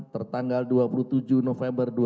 tertanggal dua puluh tujuh november dua ribu tujuh belas